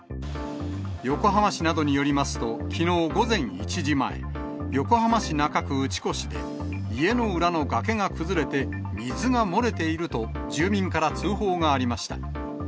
横浜市などによりますと、きのう午前１時前、横浜市中区打越で、家の裏の崖が崩れて水が漏れていると、住民から通報がありました。